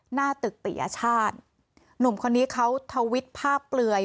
หน้าตึกปียชาติหนุ่มคนนี้เขาทวิตภาพเปลือย